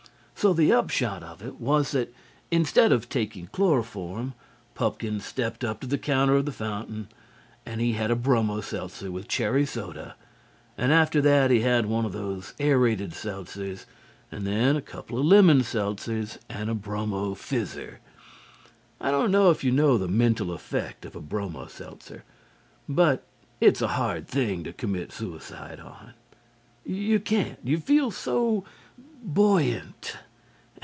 So the upshot of it was that instead of taking chloroform, Pupkin stepped up to the counter of the fountain and he had a bromo seltzer with cherry soda, and after that he had one of those aerated seltzers, and then a couple of lemon seltzers and a bromo phizzer. I don't know if you know the mental effect of a bromo seltzer. But it's a hard thing to commit suicide on. You can't. You feel so buoyant.